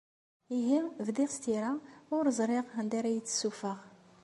Ihi, bdiɣ s tira, ur ẓriɣ anida ara yi-tessufeɣ.